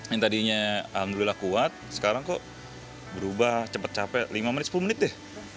yang tadinya alhamdulillah kuat sekarang kok berubah cepat capek lima menit sepuluh menit deh